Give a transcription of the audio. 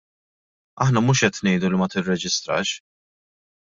Aħna mhux qed ngħidu li ma tirreġistrax.